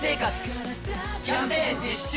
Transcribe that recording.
キャンペーン実施中！